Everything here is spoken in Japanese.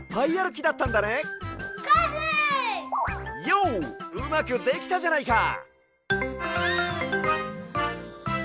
ヨうまくできたじゃないか！